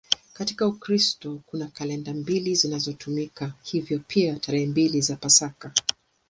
Katika Ukristo kuna kalenda mbili zinazotumika, hivyo pia tarehe mbili za Pasaka.